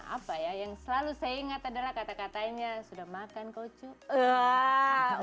apa ya yang selalu saya ingat adalah kata katanya sudah makan kocu